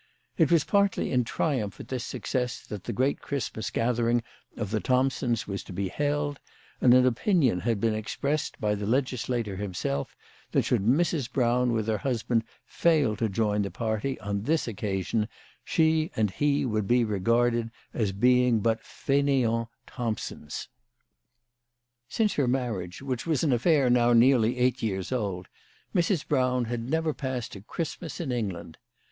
It was partly in triumph at this success that the great Christmas gathering of the Thompsons was to be held, and an opinion had been expressed by the legislator himself that should Mrs. Brown, with her husband, fail to join the family on this happy occasion she and he would be regarded as being but faineant Thompsons. Since her marriage, which was an affair now nearly eight years old, Mrs. Brown had never passed a Christmas in England.